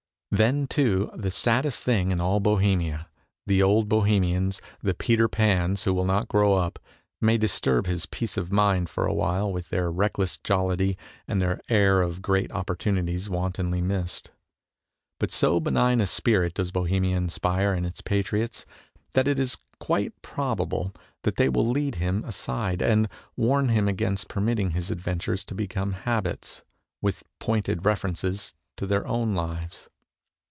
Then, too, the saddest thing in all Bohemia, the old Bohemians, the Peter Pans who will not grow up, may disturb his peace of mind for a while with their reckless jollity and their air of great opportunities wantonly missed. But so benign a spirit does Bohemia inspire in its patriots that it is quite probable that they will lead him aside and warn him against permitting his adventures to become habits, with pointed references to their own lives.